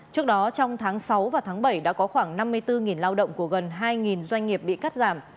trước đó trong tháng sáu và tháng bảy đã có khoảng năm mươi bốn lao động của gần hai doanh nghiệp bị cắt giảm